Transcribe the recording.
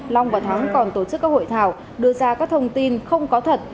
long và thắng còn tổ chức các hội thảo đưa ra các thông tin không có thật